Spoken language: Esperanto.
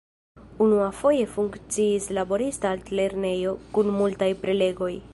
Unuafoje funkciis laborista altlernejo, kun multaj prelegoj.